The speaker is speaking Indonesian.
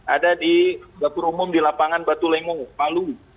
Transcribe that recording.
ada di dapur umum di lapangan batu lengo palu